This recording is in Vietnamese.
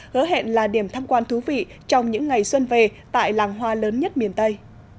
hứa hẹn là điểm tham quan thú vị trong những ngày xuân về tại làng hoa lớn nhất miền tây